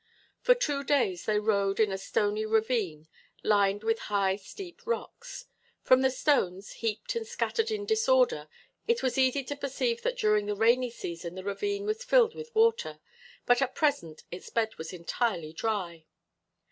For two days they rode in a stony ravine lined with high steep rocks. From the stones heaped and scattered in disorder it was easy to perceive that during the rainy season the ravine was filled with water, but at present its bed was entirely dry.